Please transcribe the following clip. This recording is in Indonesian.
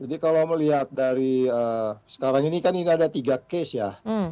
jadi kalau melihat dari sekarang ini kan ini ada tiga case ya